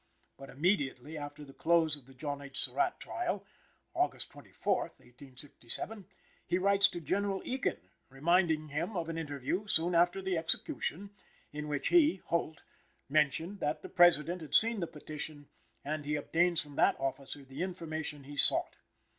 But, immediately after the close of the John H. Surratt trial (August 24, 1867), he writes to General Ekin reminding him of an interview, soon after the execution, in which he (Holt) mentioned that the President had seen the petition; and he obtains from that officer the information he sought.